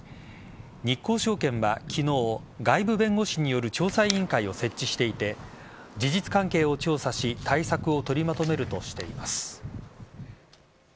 日興証券は昨日外部弁護士による調査委員会を設置していて事実関係を調査し対策をとりまとめるとしています。